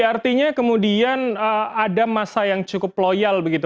artinya kemudian ada masa yang cukup loyal begitu